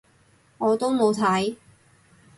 我都冇睇